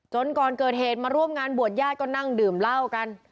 ก่อนเกิดเหตุมาร่วมงานบวชญาติก็นั่งดื่มเหล้ากัน